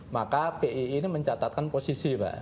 maka pi ini mencatatkan posisi pak